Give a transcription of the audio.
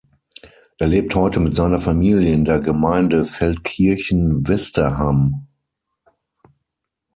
Er lebt heute mit seiner Familie in der Gemeinde Feldkirchen-Westerham.